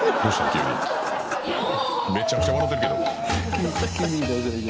急にめちゃくちゃ笑うてるけど。